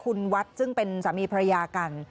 คุณวัดซึ่งเป็นสามีภรรยากัน